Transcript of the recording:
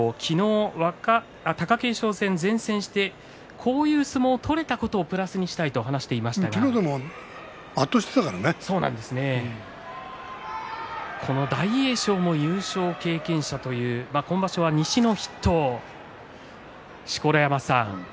昨日、貴景勝戦善戦したこういう相撲を取れたことをプラスにしたいと昨日も大栄翔も優勝経験者という今場所は西の筆頭錣山さん